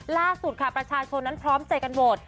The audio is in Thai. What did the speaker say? ล่าสุดค่ะประชาชนนั้นพร้อมใจกันโหวต